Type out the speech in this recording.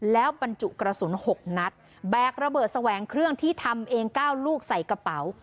แล้วบรรจุกระสุน๖นัดแบกระเบิดแสวงเครื่องที่ทำเอง๙ลูกใส่กระเป๋า